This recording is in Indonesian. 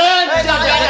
eh jangan jangan jangan